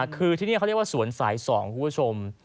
คือที่นี่เขาเรียกว่าสวนสาย๒คุณผู้ชม